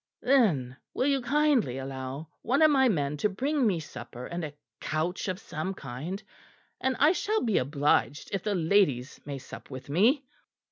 "Then will you kindly allow one of my men to bring me supper and a couch of some kind, and I shall be obliged if the ladies may sup with me."